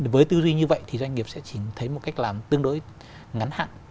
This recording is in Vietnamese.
với tư duy như vậy thì doanh nghiệp sẽ chỉ thấy một cách làm tương đối ngắn hạn